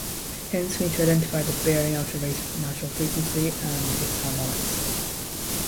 Hence we need to identify the bearing outer race natural frequency and its harmonics.